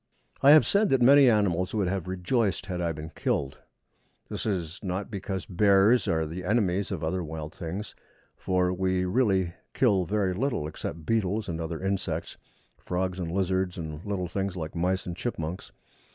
I have said that many animals would have rejoiced had I been killed. This is not because bears are the enemies of other wild things, for we really kill very little except beetles and other insects, frogs and lizards, and little things like mice and chipmunks.